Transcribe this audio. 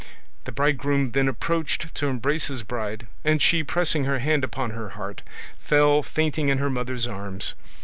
The bridegroom then approached to embrace his bride; and she, pressing her hand upon her heart, fell fainting in her mother's arms.